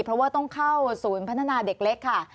เพราะว่าต้องเข้าศูนย์พัฒนาเด็กเล็กค่ะ